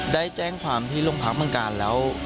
ได้แจ้งความที่ลงทางบันการแล้ว